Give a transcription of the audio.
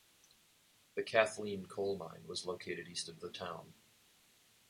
The Kathleen Coal Mine was located east of the town.